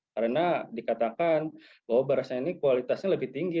karena dikatakan bahwa berasnya ini kualitasnya lebih tinggi